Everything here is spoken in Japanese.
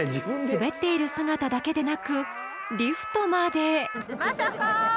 滑っている姿だけでなくリフトまで。